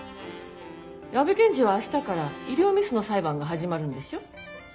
矢部検事は明日から医療ミスの裁判が始まるんでしょ？